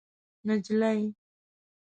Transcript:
نجلۍ